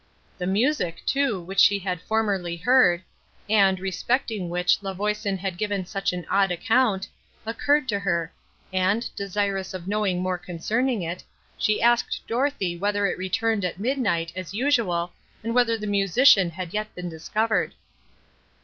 The music, too, which she had formerly heard, and, respecting which La Voisin had given such an odd account, occurred to her, and, desirous of knowing more concerning it, she asked Dorothée whether it returned at midnight, as usual, and whether the musician had yet been discovered.